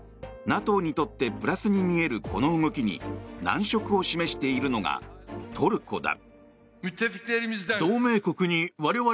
ＮＡＴＯにとってプラスに見えるこの動きに難色を示しているのがトルコだ。